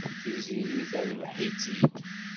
Tiziri terbeḥ-itt-id.